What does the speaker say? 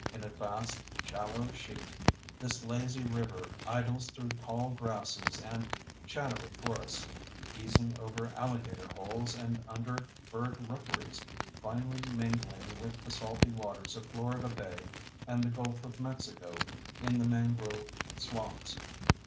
In a vast, shallow sheet this lazy river idles through tall grasses and shadowy forests, easing over alligator holes and under bird rookeries, finally mingling with the salty waters of Florida Bay and the Gulf of Mexico in the mangrove swamps.